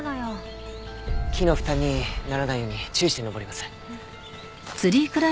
木の負担にならないように注意して登ります。